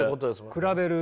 比べる。